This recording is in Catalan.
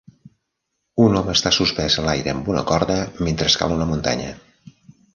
Un home està suspès a l'aire amb una corda mentre escala una muntanya.